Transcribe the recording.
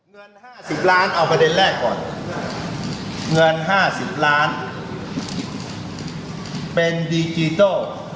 เงินห้าสิบล้านเอาประเด็นแรกก่อนเงินห้าสิบล้านเป็นดิจิโต้